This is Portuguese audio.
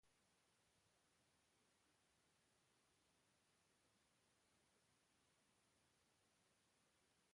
Canarim, amárico, boiapuri